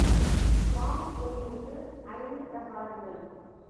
சுவாமி கோயிலுக்கு ஐந்து பிரகாரங்கள்.